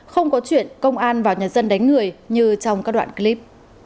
không có chuyện công an vào nhà dân đánh người như trong các đoạn clip